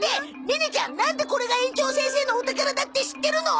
ネネちゃんなんでこれが園長先生のお宝だって知ってるの！？